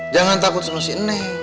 jangan takut sama sini